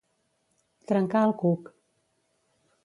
Trencar el cuc.